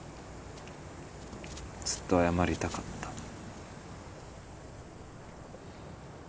ずっと謝りたかった。